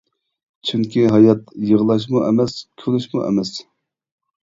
چۈنكى ھايات يىغلاشمۇ ئەمەس، كۈلۈشمۇ ئەمەس!